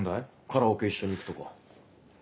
カラオケ一緒に行くとか。